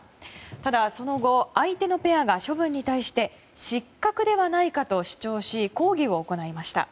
ただ、その後相手のペアが処分に対して失格ではないかと主張し抗議を行いました。